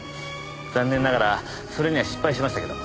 残念ながらそれには失敗しましたけど。